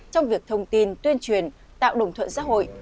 trong việc thông tin tuyên truyền tạo đồng thuận xã hội